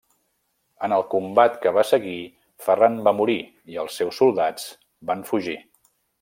En el combat que va seguir Ferran va morir i els seus soldats van fugir.